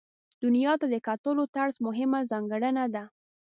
دنیا ته د کتلو طرز مهمه ځانګړنه ده.